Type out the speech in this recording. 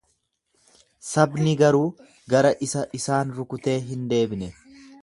Sabni garuu gara isa isaan rukutee hin deebine.